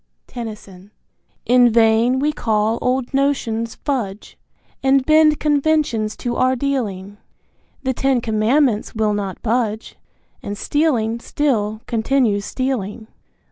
Tennyson. In vain we call old notions fudge, And bend conventions to our dealing, The Ten Commandments will not budge, And stealing still continues stealing.